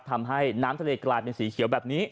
ทำให้น้ำทะเลกลายเป็นสีเขียวแบบนี้